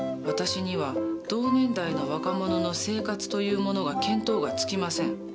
私には同年代の若者の生活というものが見当がつきません。